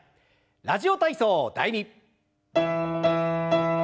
「ラジオ体操第２」。